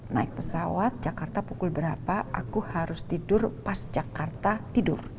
naik pesawat jakarta pukul berapa aku harus tidur pas jakarta tidur